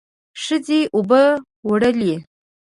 ښځې اوبه وړلې.